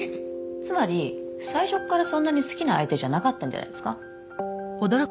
つまり最初からそんなに好きな相手じゃなかったんじゃないですか？